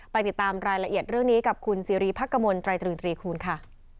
ไปติดตามรายละเอียดเรื่องนี้กับคุณสิริพักกมลตรายตรึงตรีคูณค่ะ